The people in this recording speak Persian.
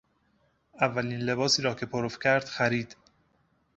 اولین لباسی را که پرو کرد خرید.